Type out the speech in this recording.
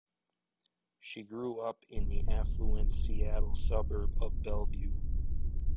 She grew up in the affluent Seattle suburb of Bellevue.